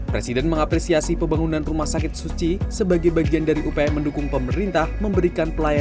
presiden mengapresiasi pembangunan rumah sakit suci sebagai bagian dari upaya mendukung kesehatan modern di jakarta